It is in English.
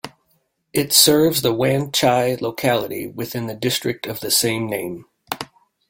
It serves the Wan Chai locality within the district of the same name.